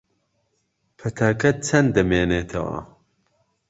پەتاکە چەند دەمێنێتەوە؟